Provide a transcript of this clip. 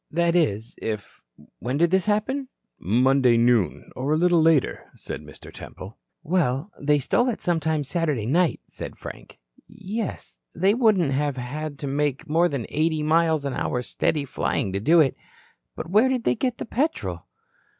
"That is, if When did this happen?" "Monday noon or a little later," said Mr. Temple. "Well, they stole it sometime Saturday night," said Frank. "Yes, they wouldn't have had to make more than eighty miles an hour steady flying to do it. But where did they get the petrol?"